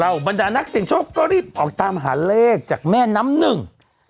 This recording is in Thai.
เราบรรดานักเซขโช๊คก็รีบออกตามฐานเรียนจากแม่น้ำหนึ่ง